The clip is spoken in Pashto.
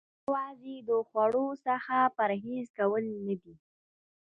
روژه یوازې د خوړو څخه پرهیز کول نه دی .